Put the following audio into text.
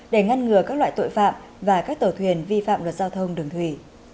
để ngăn ngừa các loại tội phạm và các tàu thuyền vi phạm luật giao thông đường thủy